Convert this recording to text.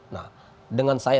nah dengan saya